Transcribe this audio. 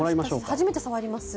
初めて触ります。